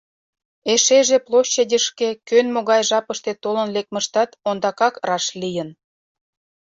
Эшеже площадьышке кӧн могай жапыште толын лекмыштат ондакак раш лийын.